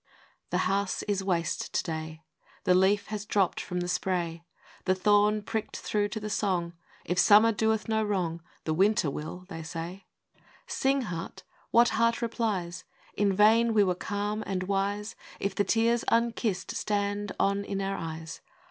VIII. The house is waste to day, The leaf has dropt from the spray, The thorn prickt through to the song; If summer doeth no wrong, A MAN'S REQUIREMENTS. 47 The winter will, they say. Sing, Heart! what heart replies ? In vain we were calm and wise, If the tears unkissed stand on in our eyes.